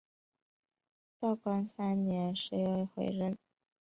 道光三年十月回任。